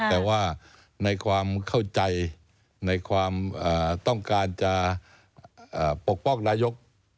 แต่ว่าในความเข้าใจในความต้องการจะปกป้องนายก